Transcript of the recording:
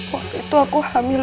waktu itu aku hamil